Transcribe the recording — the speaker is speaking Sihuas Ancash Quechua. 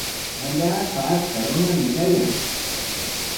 Allaapa achka runami kayan.